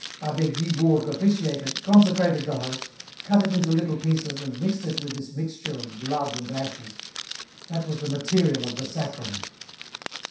Abbé Guibourg officiated, consecrated the host, cut it into little pieces and mixed it with this mixture of blood and ashes. That was the material of the Sacrament."